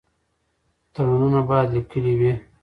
تړونونه باید لیکلي وي.